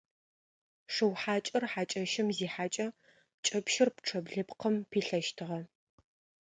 Шыу хьакӏэр хьакӏэщым зихьэкӏэ кӏэпщыр пчъэ блыпкъым пилъэщтыгъэ.